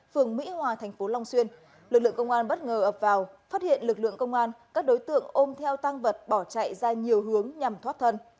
phường mỹ hòa thành phố long xuyên lực lượng công an bất ngờ ập vào phát hiện lực lượng công an các đối tượng ôm theo tăng vật bỏ chạy ra nhiều hướng nhằm thoát thân